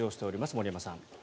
森山さん。